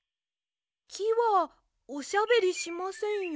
きはおしゃべりしませんよ。